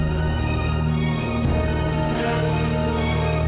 dan aku akan maarini kamu